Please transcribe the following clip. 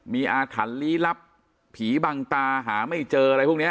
มีอาถรรพ์ลี้ลับผีบังตาหาไม่เจออะไรพวกนี้